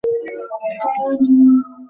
এর পূর্ব নাম ছিল Mongla Bandar school and college.